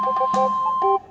saya juga ngantuk